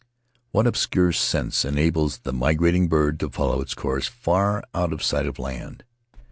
What obscure sense enables the migrating bird to follow its course far out of sight of land?